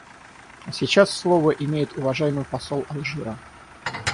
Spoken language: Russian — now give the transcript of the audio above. А сейчас слово имеет уважаемый посол Алжира.